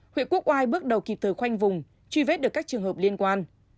huyện quốc oai bước đầu kịp thời khoanh vùng truy vết được các trường hợp liên quan